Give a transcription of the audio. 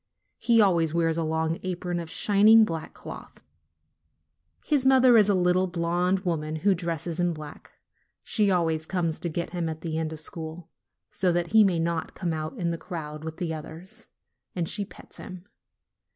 He always wears a long apron of shining black cloth. His mother is a little blonde woman who dresses in black. She always comes to get him at the end of school, so that he may not come out in the crowd with the others, and she pets him.